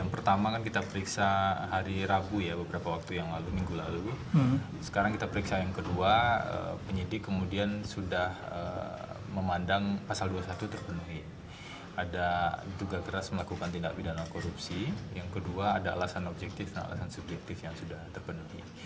pertama kita akan melakukan tindak bidana korupsi yang kedua ada alasan objektif dan alasan subjektif yang sudah terpenuhi